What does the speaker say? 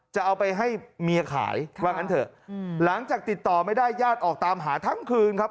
จะเอาไปให้เมียขายว่างั้นเถอะหลังจากติดต่อไม่ได้ญาติออกตามหาทั้งคืนครับ